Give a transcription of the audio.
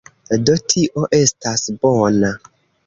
Do, tio estas bona